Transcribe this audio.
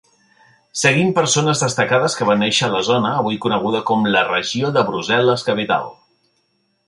Seguint persones destacades que van néixer a la zona avui coneguda com la Regió de Brussel·les-Capital.